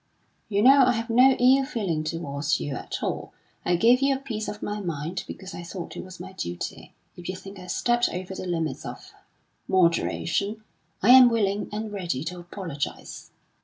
"You know I have no ill feeling towards you at all. I gave you a piece of my mind because I thought it was my duty. If you think I stepped over the limits of moderation, I am willing and ready to apologise."